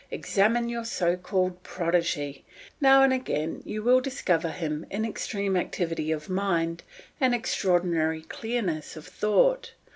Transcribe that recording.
Examine your so called prodigy. Now and again you will discover in him extreme activity of mind and extraordinary clearness of thought.